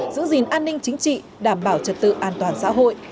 giữ gìn an ninh chính trị đảm bảo trật tự an toàn xã hội